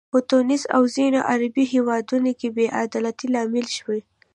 په تونس او ځینو عربي هیوادونو کې بې عدالتۍ لامل شوي.